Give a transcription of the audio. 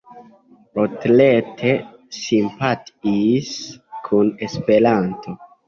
Otlet simpatiis kun Esperanto.